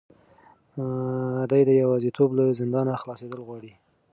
دی د یوازیتوب له زندانه خلاصېدل غواړي.